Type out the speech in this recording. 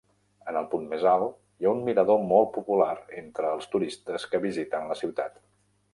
En el punt més alt, hi ha un mirador molt popular entre els turistes que visiten la ciutat.